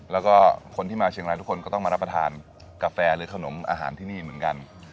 แล้วก็คนที่มาเชียงรายทุกคนก็ต้องมารับประทานกาแฟหรือขนมอาหารที่นี่เหมือนกัน